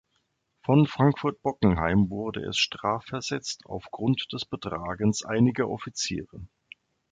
Von Frankfurt-Bockenheim wurde es strafversetzt aufgrund des Betragens einiger Offiziere.